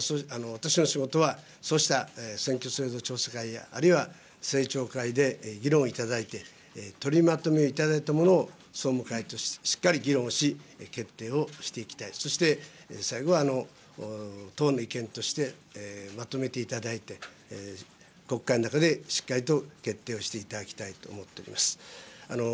私の仕事は、そうした選挙制度調査会や、あるいは政調会で議論をいただいて、取りまとめいただいたものを総務会としてしっかり議論をし、決定をしていきたい、そして、最後、党の意見としてまとめていただいて、国会の中でしっかりと決定をしていただきたいと思っております。